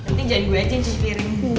nanti jangan gue aja yang cuci piring